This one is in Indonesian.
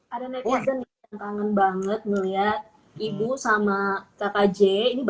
ada netizen yang kangen banget ngeliat ibu sambil nonton video ini